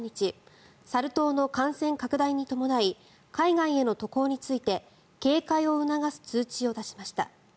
サル痘の感染拡大に伴い海外への渡航について警戒を促す通知を出しました。